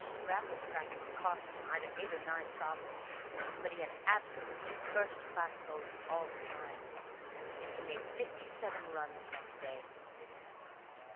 Raffles's practice cost him either eight or nine sovereigns; but he had absolutely first class bowling all the time; and he made fifty seven runs next day.